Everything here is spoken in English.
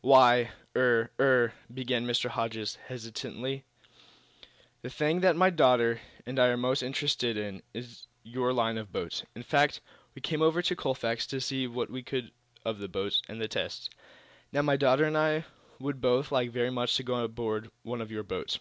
"Why er er " began Mr. Hodges, hesitatingly, "the thing that my daughter and I are most interested in is your line of boats. In fact, we came over to Colfax to see what we could of the boats and the tests. Now, my daughter and I would both like very much to go aboard one of your boats.